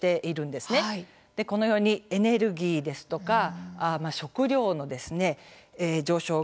このように、エネルギーですとか食料の上昇が目立つんです。